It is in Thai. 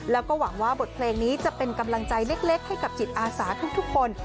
แล้วก็หวังว่าบทเพลงนี้จะเป็นกำลังใจเล็กให้กับจิตอาสาทุกคน